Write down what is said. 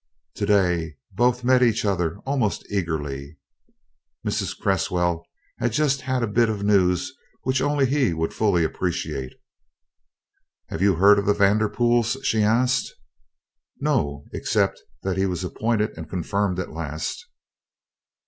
Today both met each other almost eagerly. Mrs. Cresswell had just had a bit of news which only he would fully appreciate. "Have you heard of the Vanderpools?" she asked. "No except that he was appointed and confirmed at last."